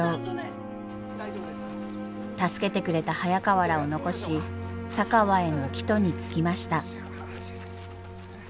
助けてくれた早川らを残し佐川への帰途につきました。